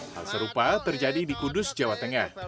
hal serupa terjadi di kudus jawa tengah